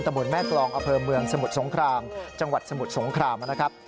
บนแม่กรองอเภอเมืองสมุทรสงครามจังหวัดสมุทรสงครามนะครับ